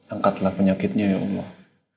angkatlah penyakitnya ya allah